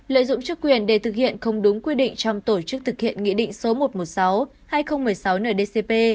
lợi dụng chức quyền để thực hiện không đúng quy định trong tổ chức thực hiện nghị định số một trăm một mươi sáu hai nghìn một mươi sáu ndcp